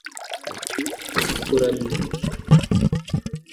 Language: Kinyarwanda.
kuramya